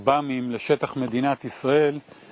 dan penyelamat dari negara negara israel